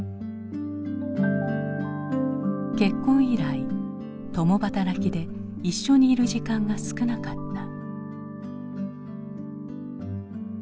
結婚以来共働きで一緒にいる時間が少なかった。